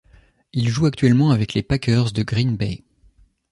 Il joue actuellement avec les Packers de Green Bay.